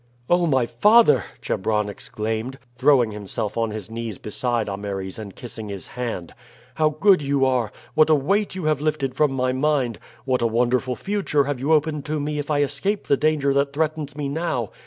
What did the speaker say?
"Oh, my father!" Chebron exclaimed, throwing himself on his knees beside Ameres and kissing his hand, "how good you are. What a weight have you lifted from my mind! What a wonderful future have you opened to me if I escape the danger that threatens me now!